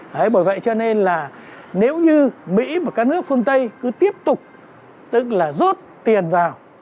đấy bởi vậy cho nên là nếu như mỹ và các nước phương tây cứ tiếp tục tức là rút tiền vào